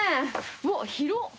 うわっ広！